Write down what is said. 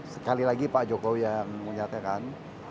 sekali lagi pak jokowi yang menyatakan